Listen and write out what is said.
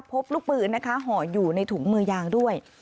พบลูกปืนนะคะห่ออยู่ในถุงมือยางด้วย